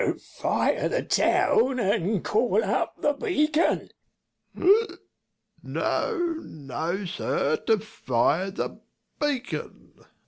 To fire the town, and call up the beacon. Second W. No, no, sir, to fire the beacon.